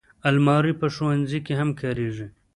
الماري په ښوونځي کې هم کارېږي